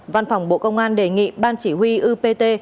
văn phòng bộ công an đề nghị ban chỉ huy upt